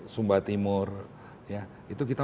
sumba timur ya itu kita